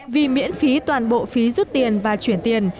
vì miễn phí toàn bộ phí rút tiền và chuyển tiền